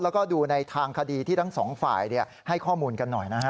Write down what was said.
แล้วก็ดูในทางคดีที่ทั้งสองฝ่ายให้ข้อมูลกันหน่อยนะฮะ